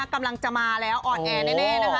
กำลังจะมาแล้วออนแอร์แน่นะคะ